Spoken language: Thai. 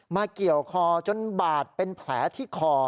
เกี่ยวคอจนบาดเป็นแผลที่คอ